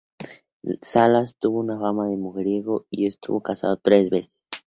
Savalas tuvo fama de mujeriego y estuvo casado tres veces.